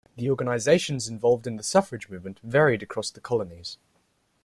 The organisations involved in the suffrage movement varied across the colonies.